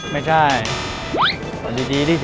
ไม่ใช่